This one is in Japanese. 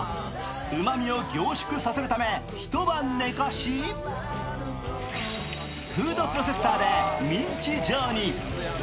ゆであがった内臓は、うまみを凝縮させるため一晩寝かし、フードプロセッサーでミンチ状に。